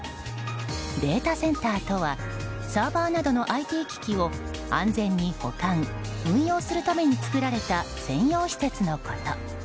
データセンターとはサーバーなどのＩＴ機器を安全に保管・運用するために作られた専用施設のこと。